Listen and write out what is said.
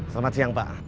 selamat siang pak